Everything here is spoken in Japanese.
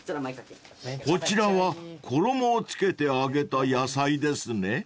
［こちらは衣を付けて揚げた野菜ですね］